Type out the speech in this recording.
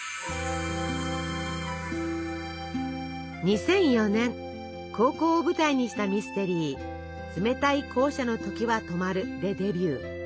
２００４年高校を舞台にしたミステリー「冷たい校舎の時は止まる」でデビュー。